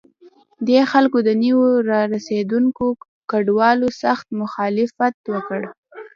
دې خلکو د نویو راستنېدونکو کډوالو سخت مخالفت وکړ.